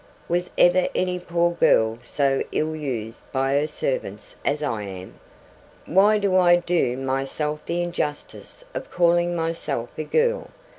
Was ever any poor girl so ill used by her servants as I am! Why do I do myself the injustice of calling myself a girl?